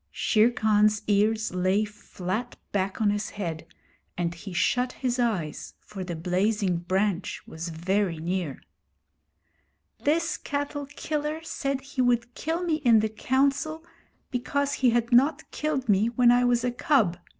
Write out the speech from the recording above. Shere Khan's ears lay flat back on his head, and he shut his eyes, for the blazing branch was very near. 'This cattle killer said he would kill me in the Council because he had not killed me when I was a cub.